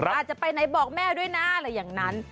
อาจจะไปไหนบอกแม่ด้วยนะอะไรอย่างนั้น